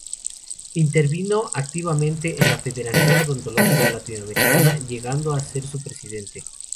Intervino activamente en la Federación Odontológica Latinoamericana, llegando a ser su presidente.